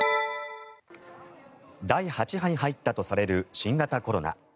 第８波に入ったとされる新型コロナ。